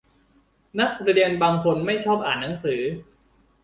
นักเรียนบางคนไม่ชอบอ่านหนังสือ